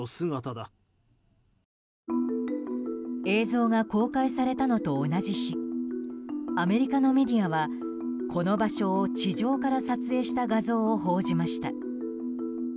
映像が公開されたのと同じ日アメリカのメディアはこの場所を地上から撮影した画像を報じました。